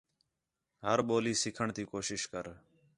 ہر ٻولی سِکھݨ تی کوشش کر